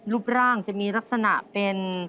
รูปร่างจะมีลักษณะเป็น